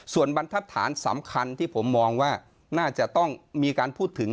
ส่วนบรรทัศน์สำคัญที่ผมมองว่าน่าจะต้องมีการพูดถึง